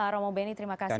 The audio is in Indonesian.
romo beni terima kasih